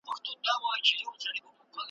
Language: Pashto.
د علاج پیسې مي راکړه رخصتېږم `